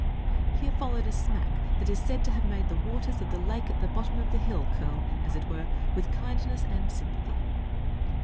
Here followed a smack that is said to have made the waters of the lake at the bottom of the hill curl, as it were, with kindness and sympathy.